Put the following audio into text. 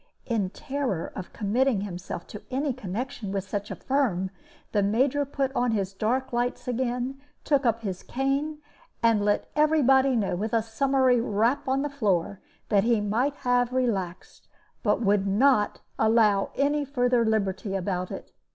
In terror of committing himself to any connection with such a firm, the Major put on his dark lights again, took up his cane, and let every body know, with a summary rap on the floor, that he might have relaxed, but would not allow any further liberty about it.